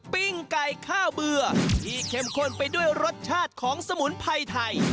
ปิ้งไก่ข้าวเบื่อที่เข้มข้นไปด้วยรสชาติของสมุนไพรไทย